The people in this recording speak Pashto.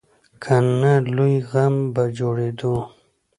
که نه، لوی غم به جوړېدو.